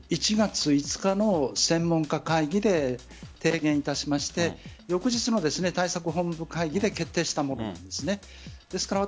１月５日の専門家会議で提言いたしまして翌日の対策本部会議で決定したものです。